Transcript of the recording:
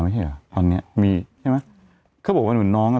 ไม่ใช่เหรอตอนเนี้ยมีใช่ไหมเขาบอกว่าหนูน้องอ่ะ